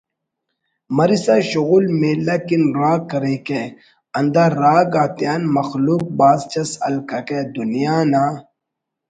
مرسا شغل میلہ کن راگ کریکہ ہندا راگ آتیان مخلوق بھاز چس ہلککہ دنیا نا